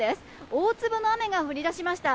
大粒の雨が降り出しました。